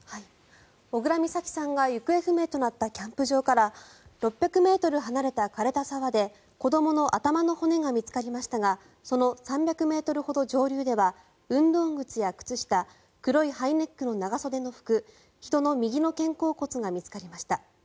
小倉美咲さんが行方不明となったキャンプ場から６００ｍ離れた枯れた沢で子どもの頭の骨が見つかりましたがその３００ｍほど上流では運動靴や靴下黒いハイネックの長袖の服人の右の肩甲骨が見つかりました。